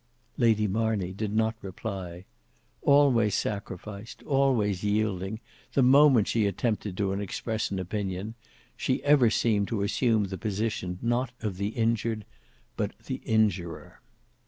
Lady Marney did not reply. Always sacrificed, always yielding, the moment she attempted to express an opinion, she ever seemed to assume the position not of the injured but the injurer.